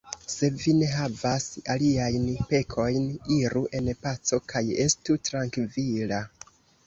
Se vi ne havas aliajn pekojn, iru en paco kaj estu trankvila!